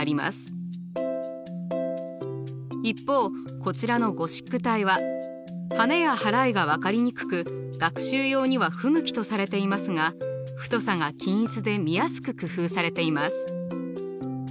一方こちらのゴシック体ははねや払いが分かりにくく学習用には不向きとされていますが太さが均一で見やすく工夫されています。